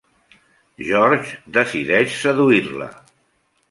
George decideix seduir-la.